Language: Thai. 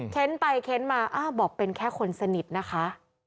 เค้นไปเค้นมาอ้าวบอกเป็นแค่คนสนิทนะคะ